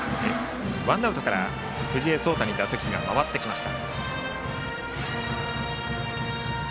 ワンアウトから藤江壮太に打席が回りました。